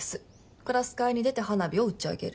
クラス会に出て花火を打ち上げる。